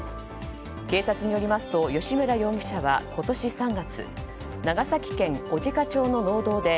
警察によりますと吉村容疑者は今年３月長崎県小値賀町の農道で